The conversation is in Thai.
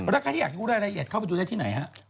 แล้วใครที่อยากรู้รายละเอียดเข้าไปดูได้ที่ไหนฮะ